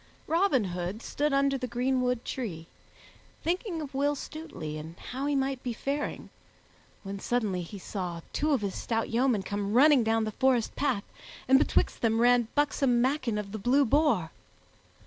Robin Hood stood under the greenwood tree, thinking of Will Stutely and how he might be faring, when suddenly he saw two of his stout yeomen come running down the forest path, and betwixt them ran buxom Maken of the Blue Boar.